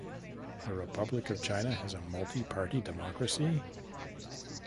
The Republic of China has a multi-party democracy.